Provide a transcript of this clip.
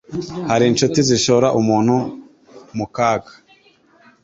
Hari incuti zishora umuntu mu kaga